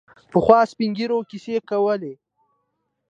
پخوا سپین ږیرو کیسې کولې.